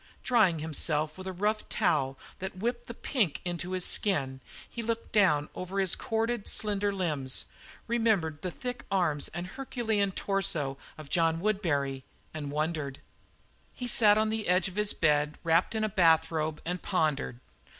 Drying himself with a rough towel that whipped the pink into his skin, he looked down over his corded, slender limbs, remembered the thick arms and Herculean torso of John Woodbury, and wondered. He sat on the edge of his bed, wrapped in a bathrobe, and pondered.